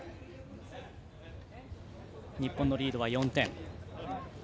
日本のリードは４点。